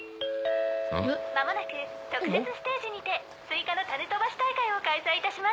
「まもなく特設ステージにてスイカの種とばし大会を開催いたします」